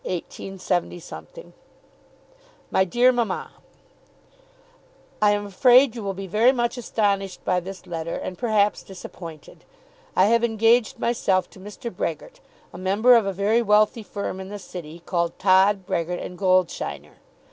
MY DEAR MAMMA, I am afraid you will be very much astonished by this letter, and perhaps disappointed. I have engaged myself to Mr. Brehgert, a member of a very wealthy firm in the City, called Todd, Brehgert, and Goldsheiner.